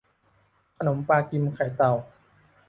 ขนมปลากิมไข่เต่า